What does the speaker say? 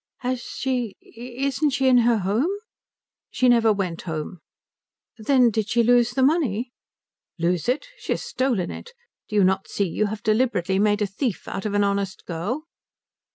"Has she isn't she in her home?" "She never went home." "Then she did lose the money?" "Lose it? She has stolen it. Do you not see you have deliberately made a thief out of an honest girl?"